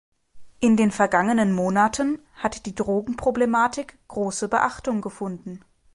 In den vergangenen Monaten hat die Drogenproblematik große Beachtung gefunden.